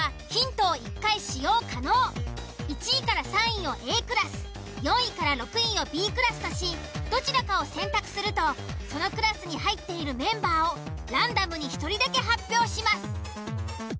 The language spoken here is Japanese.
１位３位をＡクラス４位６位をＢクラスとしどちらかを選択するとそのクラスに入っているメンバーをランダムに１人だけ発表します。